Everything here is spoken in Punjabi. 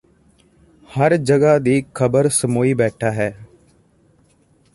ਹਰ ਜਗ੍ਹਾ ਦੀ ਖ਼ਬਰ ਸਮੋਈ ਬੈਠਾ ਹੈ